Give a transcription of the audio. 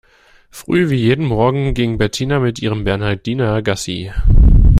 Früh wie jeden Morgen ging Bettina mit ihrem Bernhardiner Gassi.